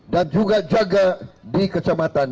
dan juga jaga di kecepatan